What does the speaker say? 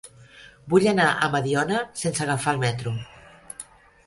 Vull anar a Mediona sense agafar el metro.